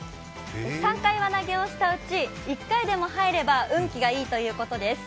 ３回輪投げをしたうち、１回でも入れば運気がいいということです。